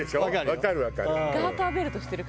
わかるわかる。